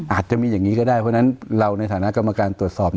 อาจจะมีอย่างนี้ก็ได้เพราะฉะนั้นเราในฐานะกรรมการตรวจสอบ